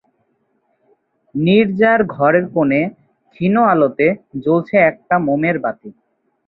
নীরজার ঘরের কোণে ক্ষীণ আলোতে জ্বলছে একটা মোমের বাতি।